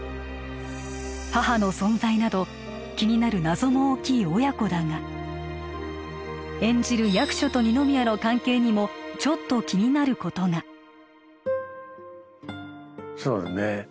母の存在など気になる謎の大きい親子だが演じる役所と二宮の関係にもちょっと気になることがそうですね